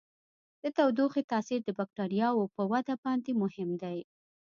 د تودوخې تاثیر د بکټریاوو په وده باندې مهم دی.